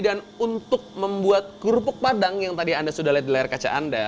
dan untuk membuat kerupuk padang yang tadi anda sudah lihat di layar kaca anda